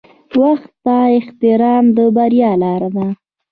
• وخت ته احترام د بریا لاره ده.